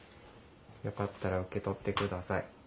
よかったら受け取って下さい。